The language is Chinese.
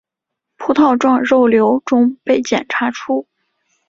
葡萄状肉瘤中被检查出。